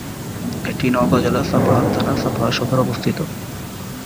এটি নওগাঁ জেলার সাপাহার থানার সাপাহার সদরে অবস্থিত।